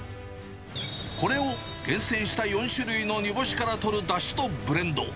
これを厳選した４種類の煮干しからとるだしとブレンド。